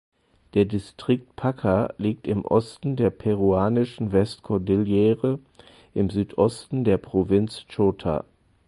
Der Distrikt Paccha liegt im Osten der peruanischen Westkordillere im Südosten der Provinz Chota.